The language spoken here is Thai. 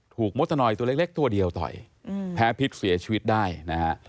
มดตะนอยตัวเล็กตัวเดียวต่อยแพ้พิษเสียชีวิตได้นะฮะ